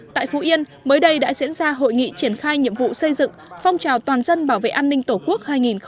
tại phú yên mới đây đã diễn ra hội nghị triển khai nhiệm vụ xây dựng phong trào toàn dân bảo vệ an ninh tổ quốc hai nghìn hai mươi bốn